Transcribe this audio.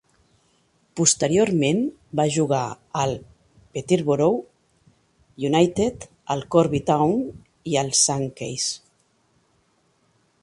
Posteriorment, va jugar al Peterborough United, al Corby Town i al Sankey's.